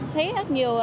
thấy rất nhiều